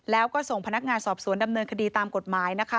แล้วก็ส่งพนักงานสอบสวนดำเนินคดีตามกฎหมายนะคะ